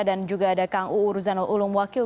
dan juga ada kang uu ruzano ulum wakil